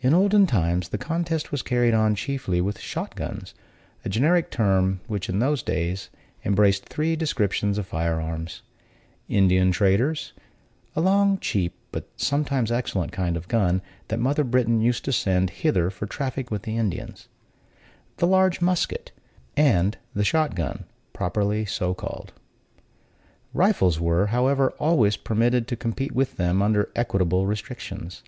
In olden times the contest was carried on chiefly with shot guns, a generic term which, in those days, embraced three descriptions of firearms: Indian traders (a long, cheap, but sometimes excellent kind of gun, that mother Britain used to send hither for traffic with the Indians), the large musket, and the shot gun, properly so called. Rifles were, however, always permitted to compete with them, under equitable restrictions.